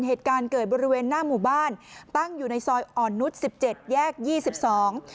เหตุการณ์เกิดบริเวณหน้าหมู่บ้านตั้งอยู่ในซอยอ่อนนุษย์สิบเจ็ดแยกยี่สิบสอง